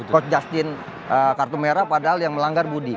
coach justin kartu merah padahal yang melanggar budi